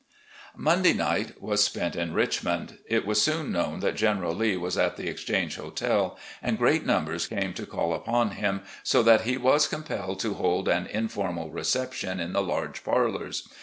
Monday night was spent in Richmond. It was soon known that General Lee was at the Exchange Hotel, and great numbers came to call upon him, so that he was com pelled to hold an informal reception in the large parlours.